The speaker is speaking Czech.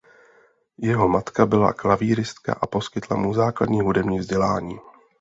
Jeho matka byla klavíristka a poskytla mu základní hudební vzdělání.